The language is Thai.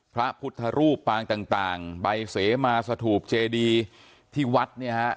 ภาพุทธรูปปางต่างใบเสมาสถูพเจดีที่วัด